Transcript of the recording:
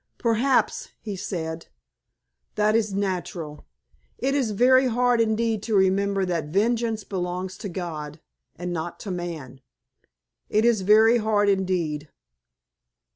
"Perhaps," he said, "that is natural. It is very hard indeed to remember that vengeance belongs to God, and not to man. It is very hard indeed.